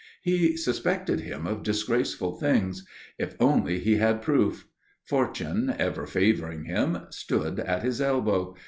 He suspected him of disgraceful things. If only he had proof. Fortune, ever favoring him, stood at his elbow.